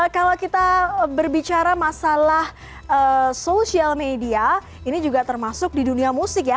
kalau kita berbicara masalah social media ini juga termasuk di dunia musik ya